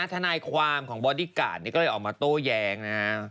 ดังนั้นทนายความของบอดี้การ์ดนี่ก็เลยออกมาโต้แยงนะฮะ